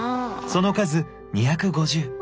その数２５０。